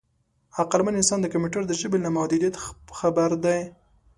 عقلمن انسان د کمپیوټر د ژبې له محدودیت خبر دی.